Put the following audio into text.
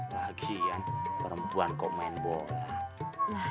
lagian perempuan kok main bola